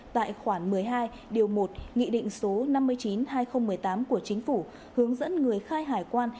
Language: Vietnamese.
tại khoản một mươi hai điều một nghị định số năm mươi chín hai nghìn một mươi tám của chính phủ hướng dẫn người khai hải quan